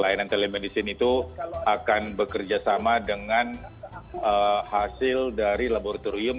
layanan telemedicine itu akan bekerjasama dengan hasil dari laboratorium